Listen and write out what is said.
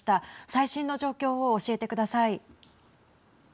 最新の状況を教えてください。